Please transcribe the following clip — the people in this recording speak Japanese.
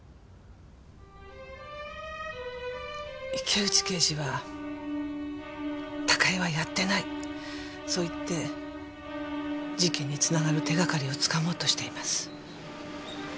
池内刑事は「高井はやってない」そう言って事件につながる手がかりをつかもうとしています。